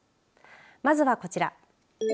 まずはこちら。